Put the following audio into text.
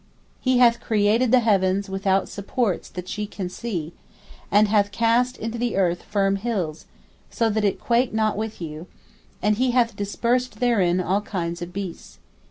P: He hath created the heavens without supports that ye can see, and hath cast into the earth firm hills, so that it quake not with you; and He hath dispersed therein all kinds of beasts.